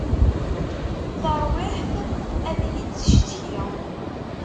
Tarwiḥt ad yi-d-tcetki.